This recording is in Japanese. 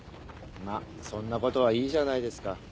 まぁそんなことはいいじゃないですか。